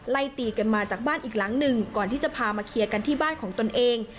ไล่ตีกันมาจากบ้านอีกหลังหนึ่งก่อนที่จะพามาเคลียร์กันที่บ้านของตนเอง